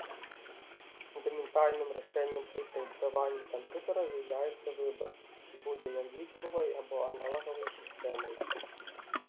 Фундаментальным рашэннем пры праектаванні камп'ютара з'яўляецца выбар, ці будзе ён лічбавай або аналагавай сістэмай.